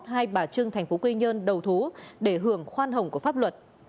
hai bà trưng thành phố quy nhơn đầu thú để hưởng khoan hồng của pháp luật